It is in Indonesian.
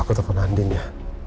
apa aku telfon andin ya